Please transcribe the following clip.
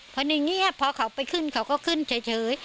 เพราะนี่เพราะเขาไปขึ้นเขาก็ขึ้นเฉย